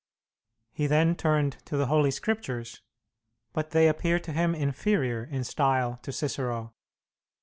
He then turned to the Holy Scriptures, but they appeared to him inferior in style to Cicero.